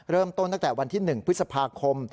เริ่มต้นตั้งแต่วันที่๑พฤษภาคม